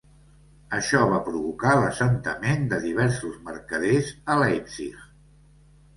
Això va provocar l'assentament de diversos mercaders a Leipzig.